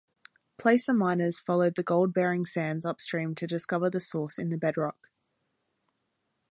Placer miners followed the gold-bearing sands upstream to discover the source in the bedrock.